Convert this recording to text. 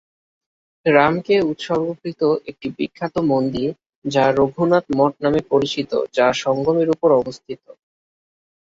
রামকে উৎসর্গীকৃত একটি বিখ্যাত মন্দির যা রঘুনাথ মঠ নামে পরিচিত যা সঙ্গমের উপরে অবস্থিত।